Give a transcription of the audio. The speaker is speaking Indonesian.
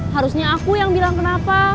harusnya aku yang bilang kenapa